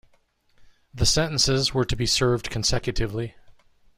The sentences were to be served consecutively.